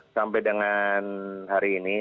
sampai dengan hari ini